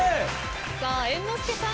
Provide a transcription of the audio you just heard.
さあ猿之助さん。